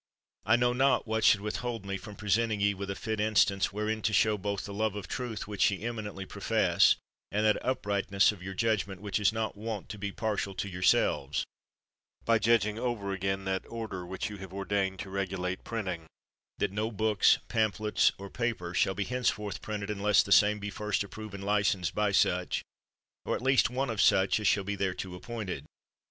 I know not what should withhold me from pre senting ye with a fit instance wherein to show both that love of truth which ye eminently pro fess, and that uprightness of your judgment which is not wont to be partial to yourselves ; by judging over again that order which ye have ordained to regulate printing — that no book, pamphlet, or paper shall be henceforth printed, unless the same be first approved and licensed by such, or at least one of such, as shall be thereto appointed.